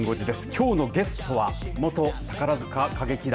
きょうのゲストは元宝塚歌劇団